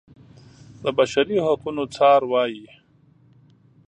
د بشري حقونو څار وايي.